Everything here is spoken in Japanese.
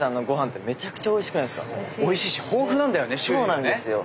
そうなんですよ。